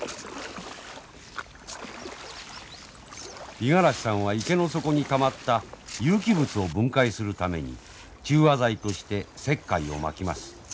五十嵐さんは池の底にたまった有機物を分解するために中和剤として石灰をまきます。